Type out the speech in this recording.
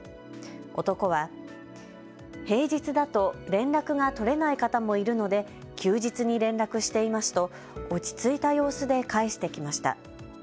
男は、平日だと連絡が取れない方もいるので休日に連絡していますと落ち着いた様子で返してきました。